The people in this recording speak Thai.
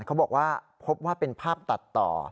เขาบอกว่าพบว่าเป็นภาพตัดต่อ